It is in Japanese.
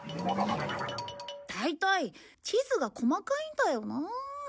大体地図が細かいんだよな。